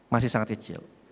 masih sangat kecil